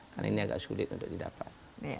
karena ini agak sulit untuk didapat